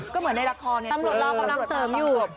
ก็เหมือนในละครเนี่ยตำรวจเรากำลังเสริมอยู่